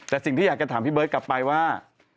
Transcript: แต่สิ่งที่อยากจะถามพี่เบิร์ตกลับไปว่า